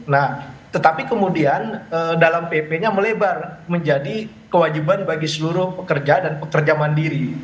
nah tetapi kemudian dalam pp nya melebar menjadi kewajiban bagi seluruh pekerja dan pekerja mandiri